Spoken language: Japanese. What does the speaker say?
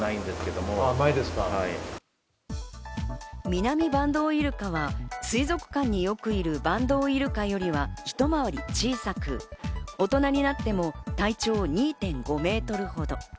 ミナミバンドウイルカは水族館によくいるバンドウイルカよりはひと回り小さく、大人になっても体長２．５メートルほど。